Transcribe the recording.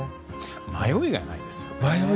迷いがないですね。